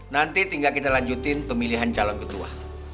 nanti tinggal kita lanjutin pemilihan calon ketua